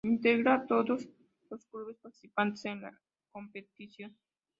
Integra a todos los clubes participantes en la competición.